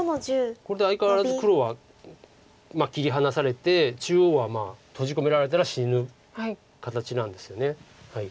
これで相変わらず黒は切り離されて中央は閉じ込められたら死ぬ形なんですよね。